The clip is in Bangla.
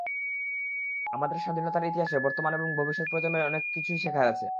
আমাদের স্বাধীনতার ইতিহাসে বর্তমান এবং ভবিষ্যৎ প্রজন্মের অনেক কিছুই শেখার আছে।